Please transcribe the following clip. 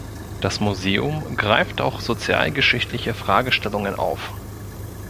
Das Museum greift auch sozialgeschichtliche Fragestellungen auf.